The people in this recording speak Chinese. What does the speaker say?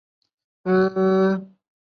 西莱阿芒塞。